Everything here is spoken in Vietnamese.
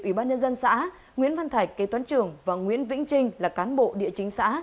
ủy ban nhân dân xã nguyễn văn thạch kế toán trưởng và nguyễn vĩnh trinh là cán bộ địa chính xã